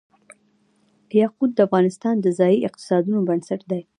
یاقوت د افغانستان د ځایي اقتصادونو بنسټ دی.